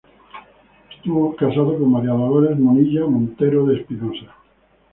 Estuvo casado con María Dolores Munilla Montero de Espinosa.